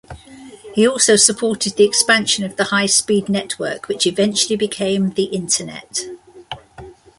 He also supported the expansion of the high-speed network which eventually became the Internet.